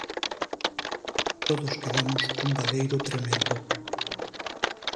Todos quedamos cun baleiro tremendo.